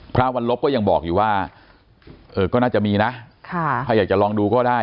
วันลบก็ยังบอกอยู่ว่าเออก็น่าจะมีนะถ้าอยากจะลองดูก็ได้